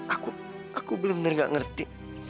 aku aku bener bener gak ngerti